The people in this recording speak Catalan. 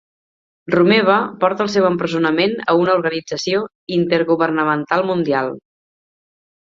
Romeva porta el seu empresonament a una organització intergovernamental mundial